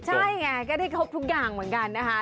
ใช่ไงก็ได้ครบทุกอย่างเหมือนกันนะคะ